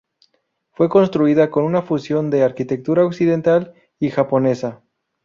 Fue construida con una fusión de la arquitectura occidental y japonesa.